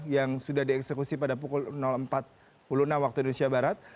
yang sudah dieksekusi pada pukul empat puluh enam waktu indonesia barat